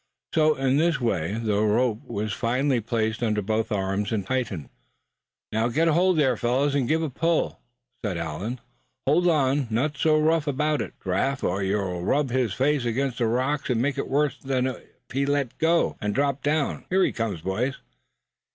So, in this way, the rope was finally placed under both arms, and tightened. "Now, get hold here, fellows, and give a pull!" said Allan; "hold on, not so rough about it, Giraffe, or you'll rub his face against the rocks and make it worse than if he'd let go, and dropped down. Here he comes, boys!"